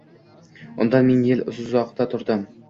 Undan ming yili uzoqda turdim